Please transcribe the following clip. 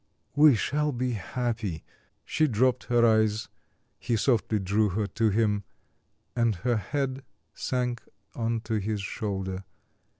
We shall be happy." She dropped her eyes; he softly drew her to him, and her head sank on to his shoulder....